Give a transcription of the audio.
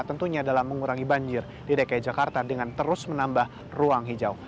tentunya dalam mengurangi banjir di dki jakarta dengan terus menambah ruang hijau